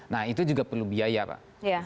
nah itu juga perlu biaya pak